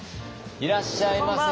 いらっしゃいませ。